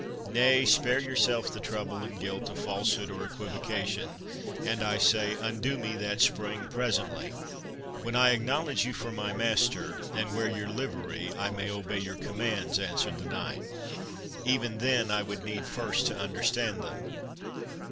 Nay, spare yourself the trouble and guilt of falsehood or equivocation, and, I say, undo me that spring presently." "When I acknowledge you for my master, and wear your livery, I may obey your commands," answered the knight; "even then I would need first to understand them."